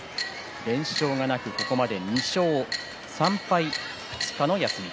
連勝がなくここまで２勝３敗２日の休み。